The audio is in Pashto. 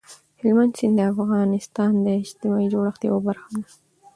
هلمند سیند د افغانستان د اجتماعي جوړښت یوه برخه ده.